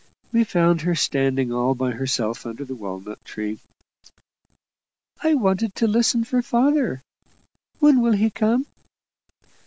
We found her standing all by herself under the walnut tree. "I wanted to listen for father. When will he come?"